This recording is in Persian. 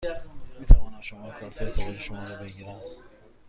می توانم شماره کارت اعتباری شما را بگیرم؟